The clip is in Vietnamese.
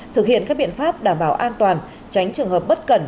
thực hiện các biện pháp đảm bảo an toàn tránh trường hợp bất cẩn